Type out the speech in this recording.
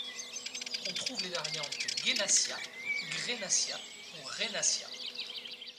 On trouve les variantes Ghenassia, Ghrenassia ou Renassia.